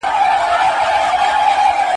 چي هر څو یې هېرومه نه هیریږي ,